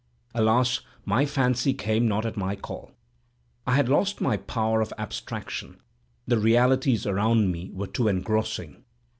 Alas! my fancy came not at my call. I had lost my power of abstraction—the realities around me were too engrossing.